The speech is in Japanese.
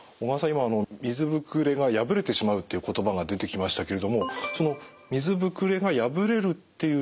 今あの水ぶくれが破れてしまうっていう言葉が出てきましたけれどもその水ぶくれが破れるっていう状況を避けた方がいいってことですか？